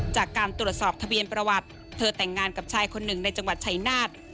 จากการตรวจสอบทะเบียนประวัติเธอแต่งงานกับชายคนหนึ่งในจังหวัดชายนาฏ